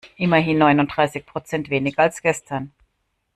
Immerhin neununddreißig Prozent weniger als gestern.